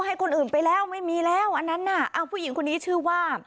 ให้คนอื่นไปแล้วไม่มีแล้วอันนั้นน่ะเอาผู้หญิงคนนี้ชื่อว่า